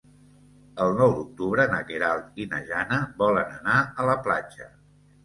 El nou d'octubre na Queralt i na Jana volen anar a la platja.